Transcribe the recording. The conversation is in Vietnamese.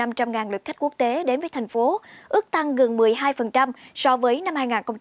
các thành phố đã đón hơn một trăm linh lượt khách quốc tế đến với thành phố ước tăng gần một mươi hai so với năm hai nghìn một mươi tám